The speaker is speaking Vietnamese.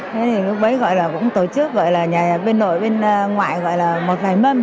thế thì lúc bấy gọi là cũng tổ chức gọi là nhà bên nội bên ngoại gọi là một vài mâm